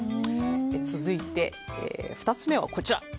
続いて、２つ目はこちら。